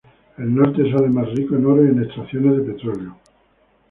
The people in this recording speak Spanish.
El norte es además rico en oro y en extracciones de petroleo.